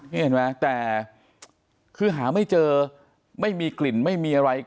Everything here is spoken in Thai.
นี่เห็นไหมแต่คือหาไม่เจอไม่มีกลิ่นไม่มีอะไร